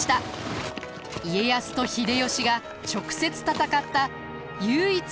家康と秀吉が直接戦った唯一の大戦です。